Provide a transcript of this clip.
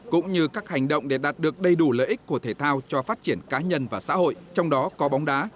cũng như các hành động để đạt được đầy đủ lợi ích của thể thao cho phát triển cá nhân và xã hội trong đó có bóng đá